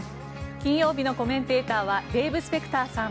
金曜日のコメンテーターはデーブ・スペクターさん。